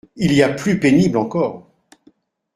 Il y a plus pénible encore.